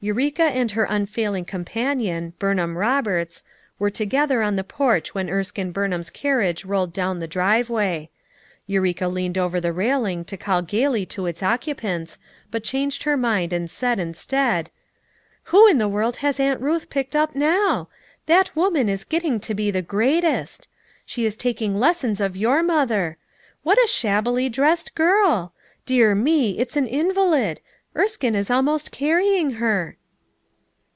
Eureka and her unfailing companion, Burn ham Roberts, were together on the porch when Erskine Burnham's carriage rolled down the FOUR MOTHERS AT CHAUTAUQUA 89 driveway. Eureka leaned over the railing to call gayly to its occupants, but changed her mind and said, instead: "Who in the world has Aunt Ruth picked up now? That woman is getting to be the great est! She is taking lessons of your mother. What a shabbily dressed girl! Dear me, it's an invalid! Erskinc is almost carrying her."